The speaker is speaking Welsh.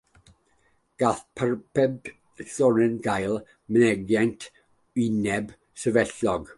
Gall pyped rhoden gael mynegiant wyneb sefydlog.